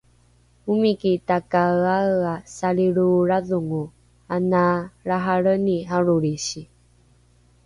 omiki takaeaea salilroolradhongo ana lrahalreni arolisi